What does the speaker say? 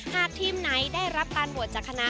หากทีมไนท์ได้รับตานบวชจากคณะ